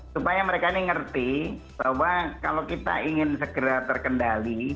supaya mereka ini ngerti bahwa kalau kita ingin segera terkendali